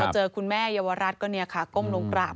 เจอคุณแม่เยาวรัฐก็เนี่ยค่ะก้มลงกราบ